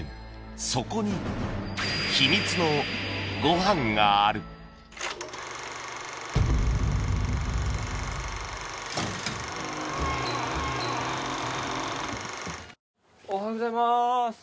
そこに秘密のごはんがあるおはようございます！